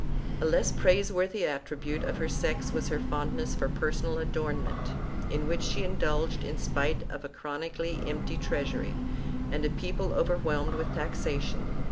2 A less praiseworthy attribute of her sex was her fondness for per " sonal adornment, in which she indulged in spite of a chronically empty treasury and a people overwhelmed with taxation.